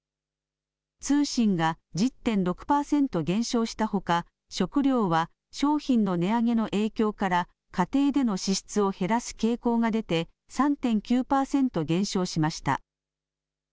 通信が１０．６％減少したほか、食料は商品の値上げの影響から家庭での支出を減らす傾向が出て３．９％減少しました。